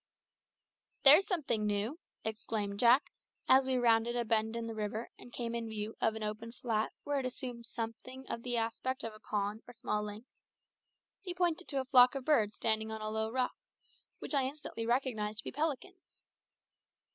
"There's something new!" exclaimed Jack, as we rounded a bend in the river and came in view of an open flat where it assumed somewhat the aspect of a pond or small lake. He pointed to a flock of birds standing on a low rock, which I instantly recognised to be pelicans.